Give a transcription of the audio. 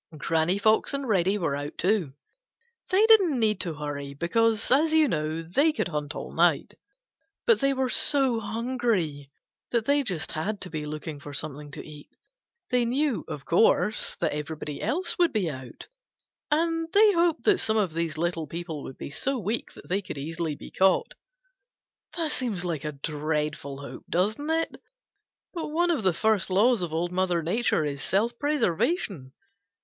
Granny Fox and Reddy were out too. They didn't need to hurry because, as you know, they could hunt all night, but they were so hungry that they just had to be looking for something to eat. They knew, of course, that everybody else would be out, and they hoped that some of these little people would be so weak that they could easily be caught. That seems like a dreadful hope, doesn't it? But one of the first laws of Old Mother Nature is self preservation.